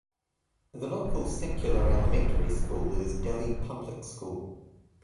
The local secular elementary school is Delhi Public School.